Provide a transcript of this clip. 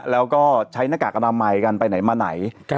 แล้วก็ใช้หน้ากากอนามัยกันไปไหนมาไหน